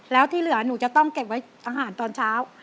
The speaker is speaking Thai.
แล้วที่เหลือหนูจะต้องเก็บไว้อาหารตอนเช้า